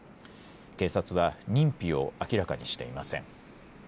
警察は、認否を明らかにしていません。